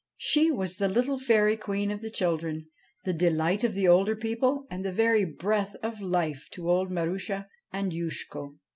She was the little fairy queen of the children, the delight of the older people, and the very breath of life to old Marusha and Youshko.